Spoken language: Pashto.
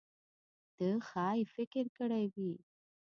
ده ښايي فکر کړی وي.